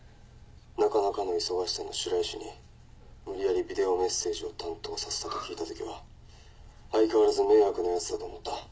なかなかの忙しさの白石に無理やりビデオメッセージを担当させたと聞いたときは相変わらず迷惑なやつだと思った。